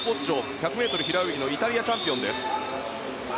１００ｍ平泳ぎのイタリアチャンピオンです。